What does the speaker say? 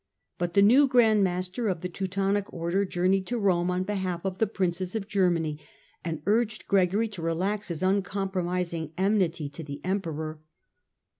But the new Grand Master of the Teutonic Order journeyed to Rome on behalf of the Princes of Germany and urged Gregory to relax his uncompromising enmity to the Emperor.